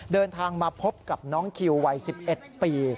เดินทางมาพบกับน้องคิววัย๑๑ปี